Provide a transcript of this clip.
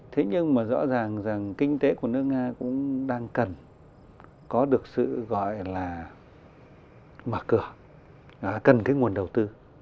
thế nhưng mà rõ ràng rằng kinh tế của nước nga cũng đang cần có được sự gọi là mở cửa cần cái nguồn đầu tư